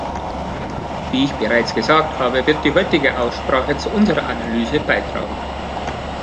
Wie ich bereits gesagt habe, wird die heutige Aussprache zu unserer Analyse beitragen.